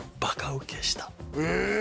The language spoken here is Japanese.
え！